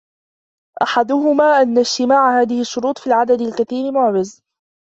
أَحَدُهُمَا أَنَّ اجْتِمَاعَ هَذِهِ الشُّرُوطِ فِي الْعَدَدِ الْكَثِيرِ مُعْوِزٌ